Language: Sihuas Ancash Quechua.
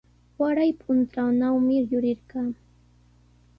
Waray puntrawnawmi yurirqaa.